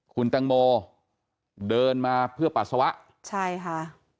คุณตังโมเดินมาเพื่อปัสสาวะใช่ค่ะ